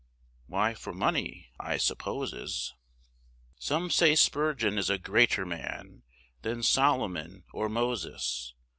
Why, for money, I supposes; Some say Spurgeon is a greater man, Than Soloman or Moses.